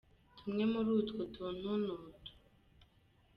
Tumwe muru utwo tuntu ni utu:.